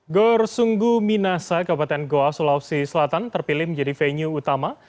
gor sunggu minasa kabupaten goa sulawesi selatan terpilih menjadi venue utama